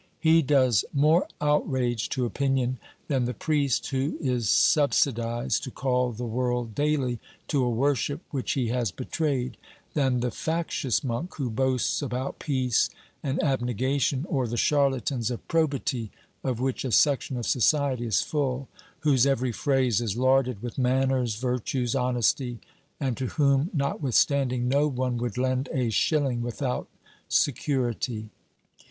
He does more outrage to opinion than the priest who is subsidised to call the world daily to a worship which he has betrayed, than the factious monk who boasts about peace and abnegation, or the charlatans of probity, of which a section of society is full, whose every phrase is larded with manners, virtues, honesty, and to whom, notwithstanding, no one would lend a shilling without security.